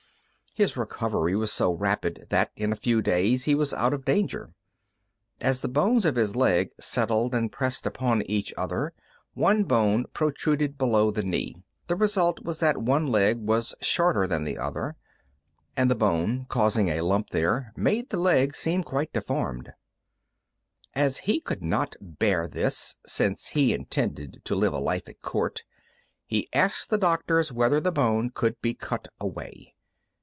His recovery was so rapid that in a few days he was out of danger. As the bones of his leg settled and pressed upon each other, one bone protruded below the knee. The result was that one leg was shorter than the other, and the bone causing a lump there, made the leg seem quite deformed. As he could not bear this, since he intended to live a life at court, he asked the doctors whether the bone could be cut away.